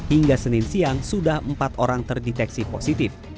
hingga senin siang sudah empat orang terdeteksi positif